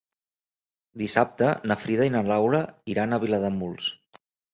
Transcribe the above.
Dissabte na Frida i na Laura iran a Vilademuls.